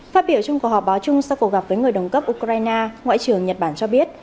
phát biểu trong cuộc họp báo chung sau cuộc gặp với người đồng cấp ukraine ngoại trưởng nhật bản cho biết